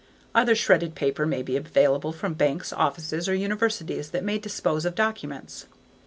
Other shredded paper may be available from banks, offices, or universities that may dispose of documents.